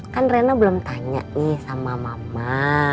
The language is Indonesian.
kan rena belum tanya nih sama mama